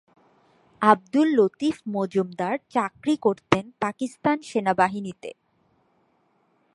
আবদুল লতিফ মজুমদার চাকরি করতেন পাকিস্তান সেনাবাহিনীতে।